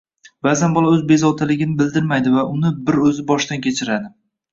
Baʼzan bola o‘z bezovtaligini bildirmaydi va uni bir o‘zi boshdan kechiradi.